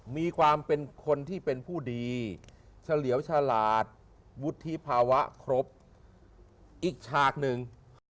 มีความเป็นคนที่เป็นผู้ดีเฉลียวฉลาดวุฒิภาวะครบอีกฉากหนึ่ง